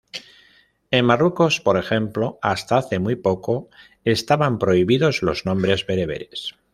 En Marruecos, por ejemplo, hasta hace muy poco estaban prohibidos los nombres bereberes.